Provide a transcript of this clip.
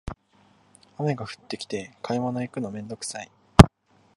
雨が降ってきて買い物行くのめんどくさい